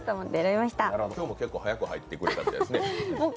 今日も結構早く入ってくれたみたいですね。